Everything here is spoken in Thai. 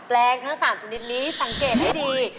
แรงทั้ง๓ชนิดนี้สังเกตให้ดี